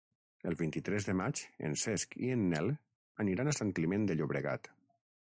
El vint-i-tres de maig en Cesc i en Nel aniran a Sant Climent de Llobregat.